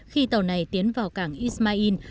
khi tàu này tiến vào cảng ismail